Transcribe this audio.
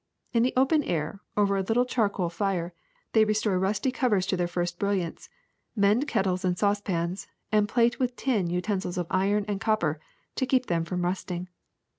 In the open air, over a little charcoal fire, they restore rusty covers to their first brilliance, mend kettles and saucepans, and plate with tin utensils of iron and copper, to keep them from rusting.